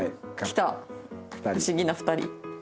きた不思議な２人。